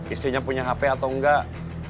istrinya punya hp atau enggak